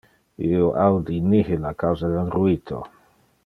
Io audi nihil a causa del ruito.